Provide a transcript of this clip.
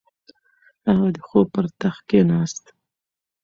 هغه د خوب پر تخت کیناست.